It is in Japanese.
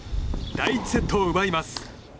第１セットを奪います。